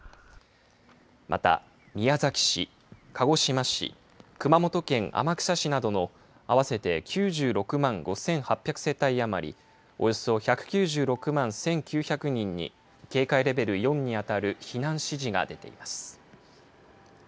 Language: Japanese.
また、宮崎市、鹿児島市熊本県天草市などの合わせて９６万５８００世帯余りおよそ１９６万１９００人に警戒レベル４に当たる避難指示が出ています。